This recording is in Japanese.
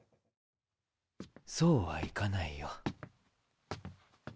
そうはいかないよ。